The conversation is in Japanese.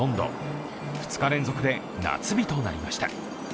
２日連続で夏日となりました。